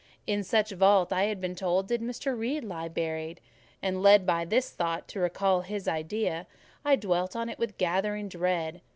In such vault I had been told did Mr. Reed lie buried; and led by this thought to recall his idea, I dwelt on it with gathering dread.